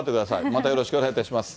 またよろしくお願いいたします。